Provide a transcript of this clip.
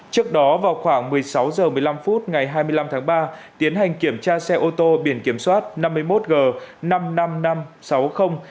trước đó vào khoảng một mươi sáu h một mươi năm phút ngày hai mươi năm tháng ba tiến hành kiểm tra xe ô tô biển kiểm soát năm mươi một g năm mươi năm nghìn năm trăm sáu mươi